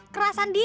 kerasan di sini